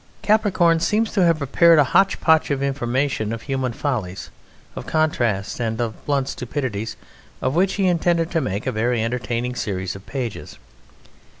Capricorn seems to have prepared a hotchpotch of information of human follies, of contrasts, and of blunt stupidities of which he intended to make a very entertaining series of pages.